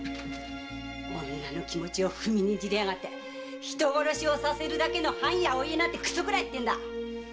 女の気持ちを踏みにじって人殺しをさせる藩やお家なんてクソくらえってんだ！